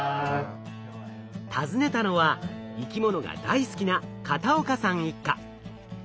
訪ねたのは生き物が大好きな片岡さん一家。